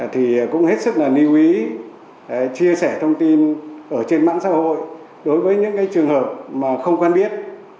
thì cũng hết sức là lưu ý chia sẻ thông tin ở trên mạng xã hội đối với những trường hợp mà không quen biết